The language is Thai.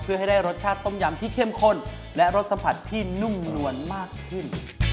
เพื่อให้ได้รสชาติต้มยำที่เข้มข้นและรสสัมผัสที่นุ่มนวลมากขึ้น